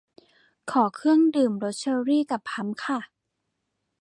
ขอเครื่องดื่มรสเชอรี่กับพลัมค่ะ